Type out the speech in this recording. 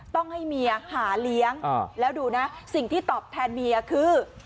ต้องให้เมียหาเลี้ยงแล้วดูนะสิ่งที่ตอบแทนเมียคือ